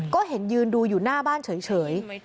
ก็เห็นยืนดูอยู่หน้าบ้านเฉย